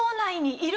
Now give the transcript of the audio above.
いる？